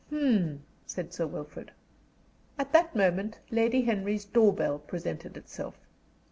"Hm!" said Sir Wilfrid. At that moment Lady Henry's door bell presented itself.